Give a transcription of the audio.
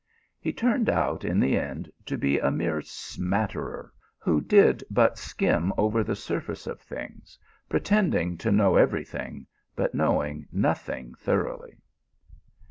He turned out in the end to be a mere smatterer, who did but skim over the sur face of things, pretending to know every thing, but knowing nothing thoroughly.